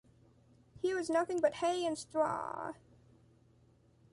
Here is nothing but hay and straw.